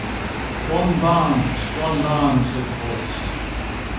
'John Barnes, John Barnes,' said the voice.